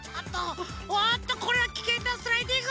おっとこれはきけんなスライディング。